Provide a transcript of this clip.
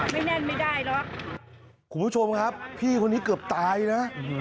แน่นไม่ได้หรอกคุณผู้ชมครับพี่คนนี้เกือบตายนะ